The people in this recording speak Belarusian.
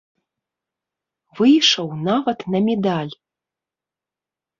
Выйшаў нават на медаль.